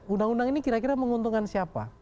undang undang ini kira kira menguntungkan siapa